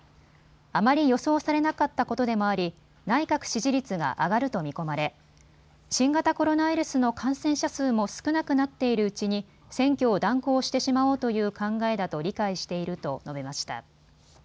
あまり予想されなかったことでもあり内閣支持率が上がると見込まれ新型コロナウイルスの感染者数も少なくなっているうちに選挙を断行してしまおうという考えだと理解していると述べました。